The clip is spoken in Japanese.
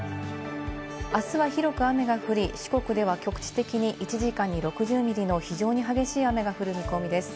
あすは広く雨が降り、四国では局地的に１時間に６０ミリの非常に激しい雨が降る見込みです。